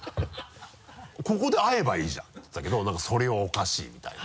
「ここで会えばいいじゃん」って言ってたけど何か「それはおかしい」みたいな。